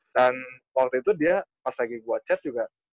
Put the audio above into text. dan waktu itu dia pas lagi gue chat juga